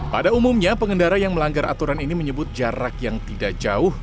pada umumnya pengendara yang melanggar aturan ini menyebut jarak yang tidak jauh